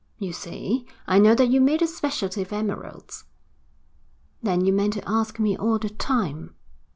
'You see, I know that you made a specialty of emeralds.' 'Then you meant to ask me all the time?'